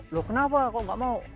loh kenapa kok gak mau